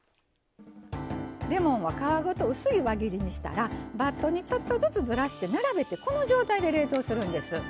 レモンは皮ごと薄い輪切りにしたらバットにちょっとずつずらして並べてこの状態で冷凍するんです。